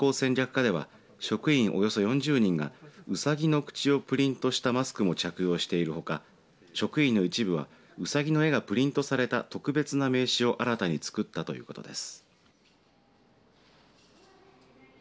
課では職員およそ４０人がうさぎの口をプリントしたマスクを着用しているほか職員の一部はうさぎの絵がプリントされた特別な名刺を新たに作ったということです。